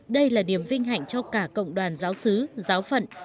đây là niềm vinh hạnh cho cả cộng đoàn giáo sứ giáo phận